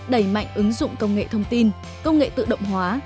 đẩy mạnh ứng dụng công nghệ thông tin công nghệ tự động hóa